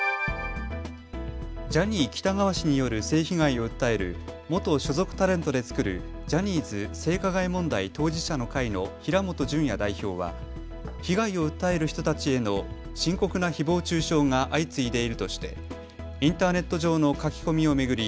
ジャニー喜多川氏による性被害を訴える元所属タレントで作るジャニーズ性加害問題当事者の会の平本淳也代表は被害を訴える人たちへの深刻なひぼう中傷が相次いでいるとしてインターネット上の書き込みを巡り